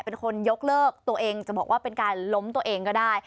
เป็นคนยกเลิกตัวเองจะบอกว่าเป็นการล้มตัวเองก็ได้